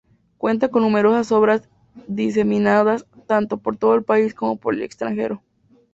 Cuenta con numerosas obras diseminadas tanto por todo el país como por el extranjero.